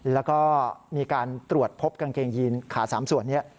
แล้วก็มีการตรวจพบกางเกงยีนขา๓ส่วนนี้